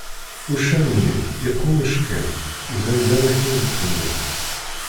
Uccen-nni yeqqummec kan, iban-d am akken yettxemmim.